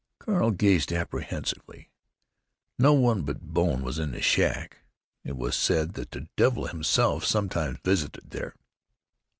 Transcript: Carl gazed apprehensively.... No one but Bone was in the shack.... It was said that the devil himself sometimes visited here....